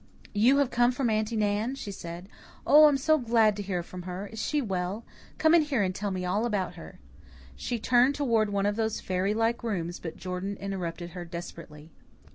"You have come from Aunty Nan?" she said. "Oh, I am so glad to hear from her. Is she well? Come in here and tell me all about her." She turned toward one of those fairy like rooms, but Jordan interrupted her desperately.